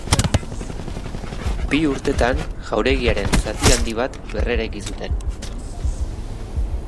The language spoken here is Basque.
Bi urtetan jauregiaren zati handi bat berreraiki zuten.